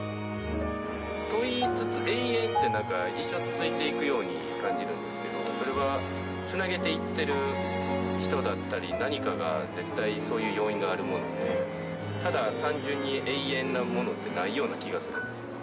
と言いつつ永遠って一生続いていくように感じるんですけどそれはつなげていってる人だったり何かが絶対そういう要因があるものでただ単純に永遠なものってないような気がするんですね。